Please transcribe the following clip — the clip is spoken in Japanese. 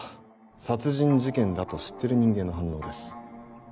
殺人事件だと知ってる人間の反応です。